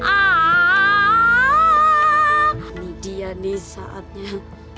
ini dia nih saatnya